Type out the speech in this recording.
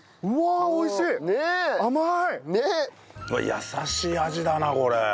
優しい味だなこれ。